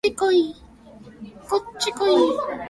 こっちこい